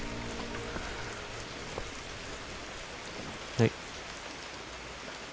はい。